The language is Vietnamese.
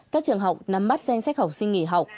các trường học nắm bắt danh sách học sinh nghỉ học